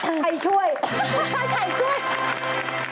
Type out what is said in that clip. เป็นคำถามที่ถูกต้องค่ะ